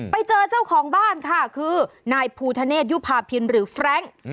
ไปเจอเจ้าของบ้านค่ะคือนายภูทะเนศยุภาพินหรือแฟรงค์